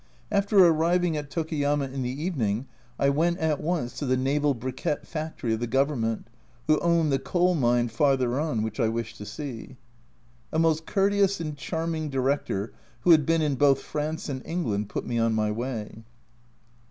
After arriving at Tokuyama in the evening I went A Journal from Japan 47 at once to the Naval Briquette factory of the Govern ment, who own the coal mine farther on which I wish to see. A most courteous and charming Director, who had been in both France and England, put me on my way.